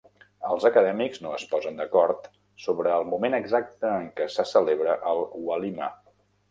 Els acadèmics no es posen d'acord sobre el moment exacte en què se celebra el "walima".